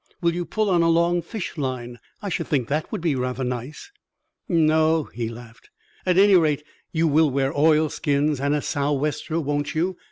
Will you pull on a long fish line? I should think that would be rather nice." "No," he laughed. "At any rate, you will wear oilskins and a 'sou'wester,' won't you?"